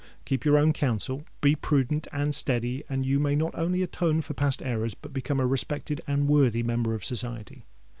Keep your own counsel: be prudent and steady—and you may not only atone for past errors, but become a respected and worthy member of society.